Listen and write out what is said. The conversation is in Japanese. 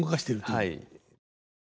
はい。